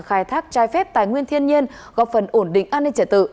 khai thác trái phép tài nguyên thiên nhiên góp phần ổn định an ninh trả tự